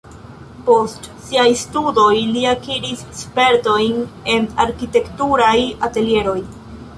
Post siaj studoj li akiris spertojn en arkitekturaj atelieroj.